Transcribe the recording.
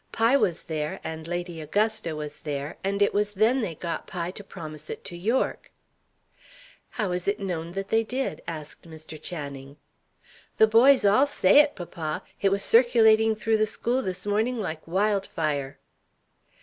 Pye was there, and Lady Augusta was there; and it was then they got Pye to promise it to Yorke." "How is it known that they did?" asked Mr. Channing. "The boys all say it, papa. It was circulating through the school this morning like wild fire."